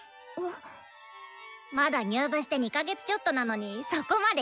まだ入部して２か月ちょっとなのにそこまで弾けるのすごいよ！